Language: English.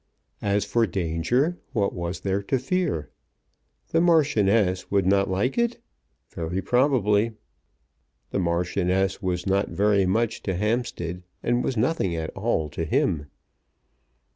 As for danger, what was there to fear? The Marchioness would not like it? Very probably. The Marchioness was not very much to Hampstead, and was nothing at all to him.